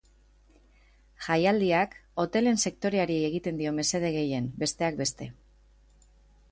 Jaialdiak hotelen sektoreari egiten dio mesede gehien, besteak beste.